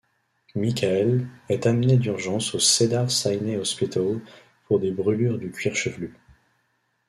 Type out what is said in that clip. Michael est amené d'urgence au Cedars Sinai Hospital pour des brûlures du cuir chevelu.